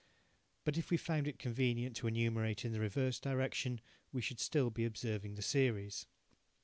But if we found it convenient to enumerate in the reverse direction, we should still be observing the series.